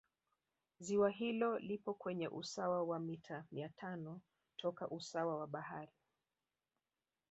Ziwa hilo lipo kwenye usawa wa mita mia tano toka usawa wa bahari